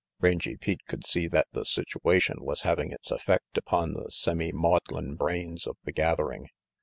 Rangy Pete could see that the situation was having its effect upon the semi maudlin brains of the gathering.